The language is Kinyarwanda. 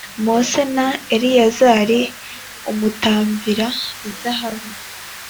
Mose na Eleyazari umutambyi b k ra izahabu